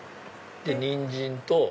でにんじんと。